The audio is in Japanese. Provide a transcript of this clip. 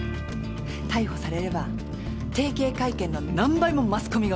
逮捕されれば提携会見の何倍もマスコミが押しかける。